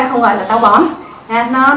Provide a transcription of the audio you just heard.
không gọi là tao bóng nó